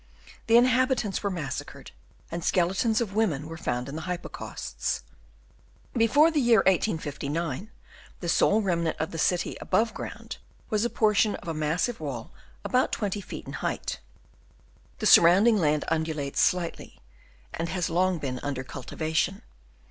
The inhabitants were massacred, and skeletons of women were found in the hypocausts. Before the year 1859, the sole remnant of the city above ground, was a portion of a massive wall about 20 ft. in height. The surrounding land undulates slightly, and has long been under cultivation.